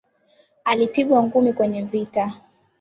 Alipigwa ngumi kwenye vita